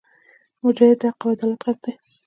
مجاهد د حق او عدالت غږ دی.